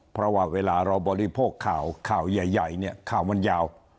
เพราะว่าเวลาเราบริโภคข่าวข่าวใหญ่เนี่ยข่าวมันยาว